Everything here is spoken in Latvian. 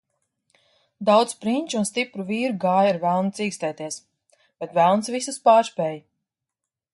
Daudz prinču un stipru vīru gāja ar velnu cīkstēties, bet velns visus pārspēja.